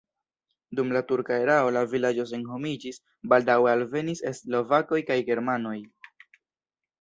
Dum la turka erao la vilaĝo senhomiĝis, baldaŭe alvenis slovakoj kaj germanoj.